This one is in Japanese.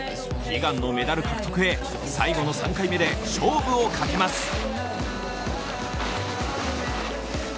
悲願のメダル獲得へ、最後の３回目で勝負をかけます。